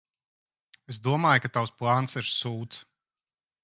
Es domāju, ka tavs plāns ir sūds.